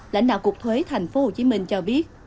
lãnh đạo cục thuế tp hcm cho biết